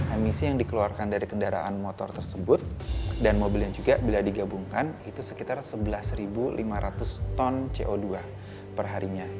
emisi yang dikeluarkan dari kendaraan motor tersebut dan mobilnya juga bila digabungkan itu sekitar sebelas lima ratus ton co dua perharinya